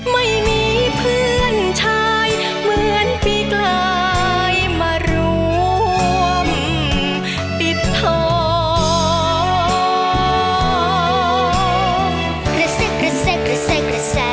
ไม่มีเพื่อนชายเหมือนปีกลายมารวมปิดทอง